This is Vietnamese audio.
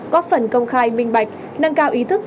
góp phần công khai minh bạch nâng cao ý thức